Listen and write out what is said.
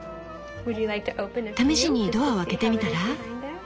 試しにドアを開けてみたら？